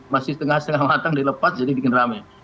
masih setengah setengah matang dilepas jadi dikendalikan